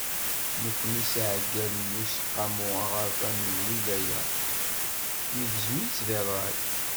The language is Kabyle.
Nekkni s yiɛeggalen n Useqqamu Aɣerfan n Lwilaya, negzem-itt di ṛṛay.